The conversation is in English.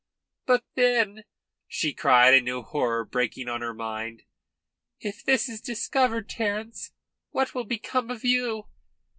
"But then," she cried, a new horror breaking on her mind "if this is discovered Terence, what will become of you?"